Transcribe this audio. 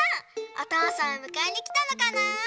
おとうさんをむかえにきたのかな？